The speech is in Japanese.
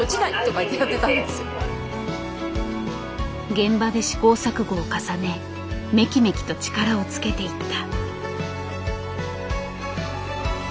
現場で試行錯誤を重ねめきめきと力をつけていった。